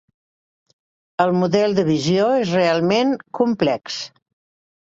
El model de visió és realment complex.